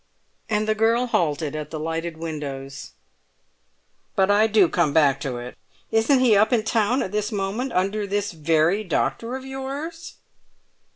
And the girl halted at the lighted windows. "But I do come back to it. Isn't he up in town at this moment under this very doctor of yours?"